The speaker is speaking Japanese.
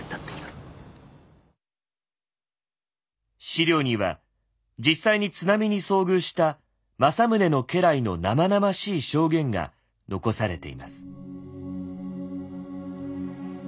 史料には実際に津波に遭遇した政宗の家来の生々しい証言が残されています。